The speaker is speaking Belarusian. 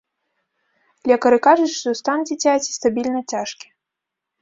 Лекары кажуць, што стан дзіцяці стабільна цяжкі.